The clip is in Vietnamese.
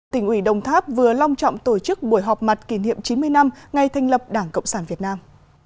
tỉnh ủy đồng tháp vừa long trọng tổ chức buổi họp mặt kỷ niệm chín mươi năm ngày thành lập đảng cộng sản việt nam